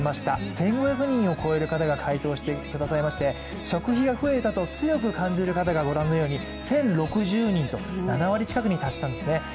１５００人を超える方が、回答してくださいまして食費が増えたと強く感じる方が１０６０人と７割近くに達したんですね。